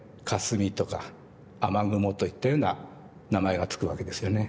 霞とか雨雲といったような名前が付くわけですよね。